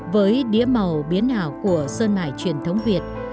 với đĩa màu biến hảo của sơn mài truyền thống việt